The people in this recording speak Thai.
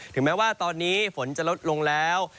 ถึงแม้ว่าตอนนี้ฝนจะลดลงแล้ว